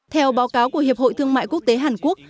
theo báo cáo của hiệp hội thương mại quốc tế hàn quốc